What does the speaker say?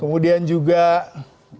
kemudian juga di tol jawa